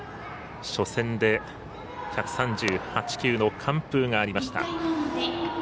初戦で１３８球の完封がありました。